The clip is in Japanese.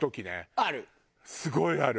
すごいある。